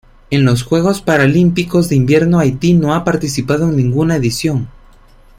En los Juegos Paralímpicos de Invierno Haití no ha participado en ninguna edición.